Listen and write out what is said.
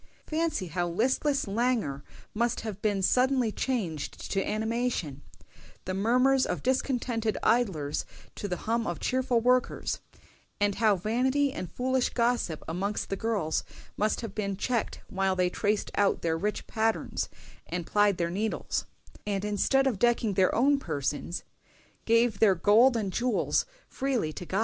Fancy how listless languor must have been suddenly changed to animation; the murmurs of discontented idlers to the hum of cheerful workers; and how vanity and foolish gossip amongst the girls must have been checked while they traced out their rich patterns and plied their needles; and instead of decking their own persons, gave their gold and jewels freely to God!"